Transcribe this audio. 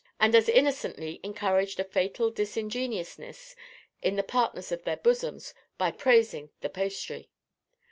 and as innocently encouraged a fatal disingenuousness in the partners of their bosoms by praising the pastry.